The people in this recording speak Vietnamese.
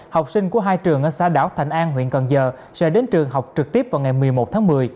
học sinh của hai trường ở xã đảo thành an huyện cần giờ sẽ đến trường học trực tiếp vào ngày một mươi một tháng một mươi